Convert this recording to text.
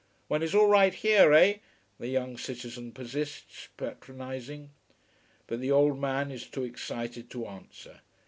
"One is all right here, eh?" the young citizen persists, patronizing. But the old man is too excited to answer.